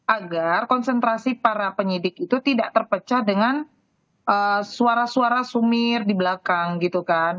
agar konsentrasi para penyidik itu tidak terpecah dengan suara suara sumir di belakang gitu kan